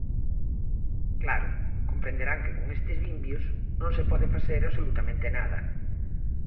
Claro, comprenderán que con estes vimbios non se pode facer absolutamente nada.